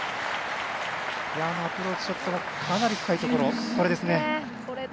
アプローチショットがかなり深いところでした。